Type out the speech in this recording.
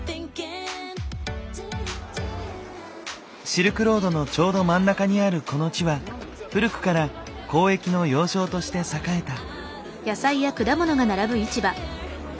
シルクロードのちょうど真ん中にあるこの地は古くから交易の要衝として栄えた。